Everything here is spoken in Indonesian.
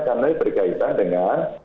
karena berkaitan dengan